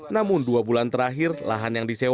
namun dua bulan terakhir lahan yang disewa